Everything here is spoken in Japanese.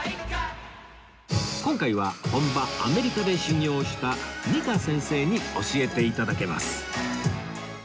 今回は本場アメリカで修業した ＮＩＫＡ 先生に教えて頂けます